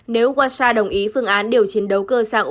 nếu hoa sa đồng ý phương án điều chiến